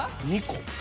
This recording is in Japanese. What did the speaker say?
２個。